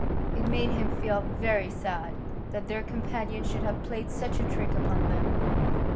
It made him feel very sad that their companion should have played such a trick upon them.